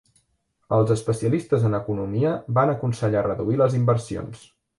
Els especialistes en economia van aconsellar reduir les inversions.